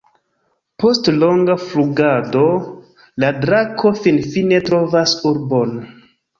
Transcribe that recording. Post longa flugado, la drako finfine trovas urbon.